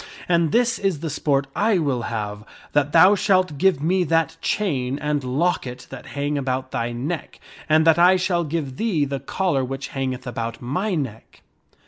And this is the sport I will have, that thou shalt give me that chain and locket that hang about thy neck, and that I shall give thee the collar which hangeth about my neck."